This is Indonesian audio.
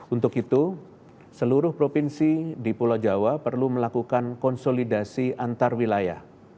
untuk itu seluruh provinsi di pulau jawa perlu melakukan konsolidasi antar wilayah